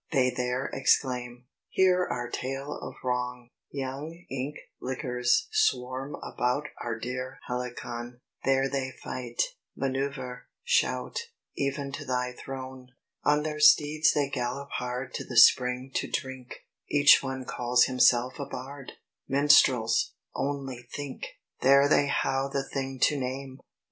they there exclaim "Hear our tale of wrong! "Young ink lickers swarm about Our dear Helicon; There they fight, manoeuvre, shout, Even to thy throne. "On their steeds they galop hard To the spring to drink, Each one calls himself a bard Minstrels only think! "There they how the thing to name!